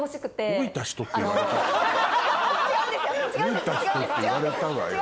老いた人って言われたわよ。